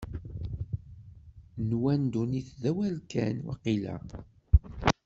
Nwan ddunit d awal kan, waqila?